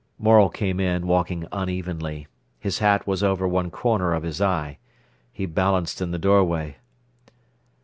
Morel came in, walking unevenly. His hat was over one corner of his eye. He balanced in the doorway.